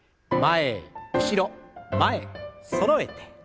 前後ろ前そろえて。